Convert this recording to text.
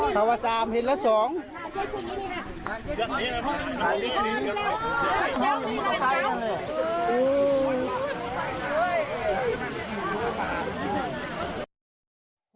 เพราะว่าอันนี้ยังไม่ทัน